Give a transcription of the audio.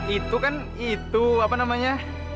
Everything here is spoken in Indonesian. itu kan itu apa namanya